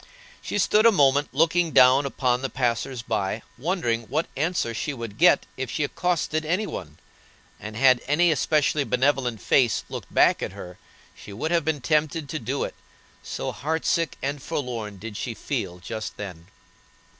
She stood a moment looking down upon the passers by wondering what answer she would get if she accosted any one; and had any especially benevolent face looked back at her she would have been tempted to do it, so heart sick and forlorn did she feel just then.